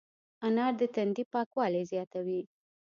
انار د تندي پاکوالی زیاتوي.